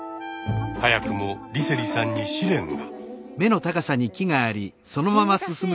早くも梨星さんに試練が！